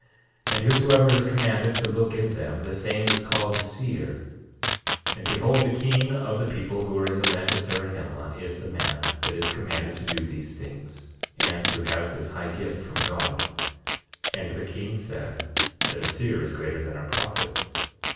And whosoever is commanded to look in them, the same is called seer. 8:14 And behold, the king of the people who are in the land of Zarahemla is the man that is commanded to do these things, and who has this high gift from God. 8:15 And the king said that a seer is greater than a prophet.